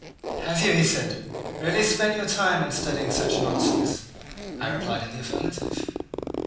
"Have you," he said, "really spent your time in studying such nonsense?" I replied in the affirmative.